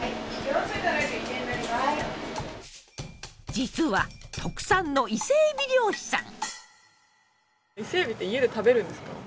実は特産の伊勢えび漁師さん。